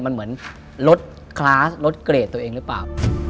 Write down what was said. มันเหมือนลดคลาสลดเกรดตัวเองหรือเปล่า